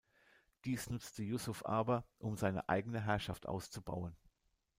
Dies nutzte Yusuf aber, um seine eigene Herrschaft auszubauen.